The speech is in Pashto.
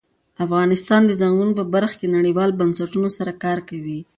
افغانستان د ځنګلونه په برخه کې نړیوالو بنسټونو سره کار کوي.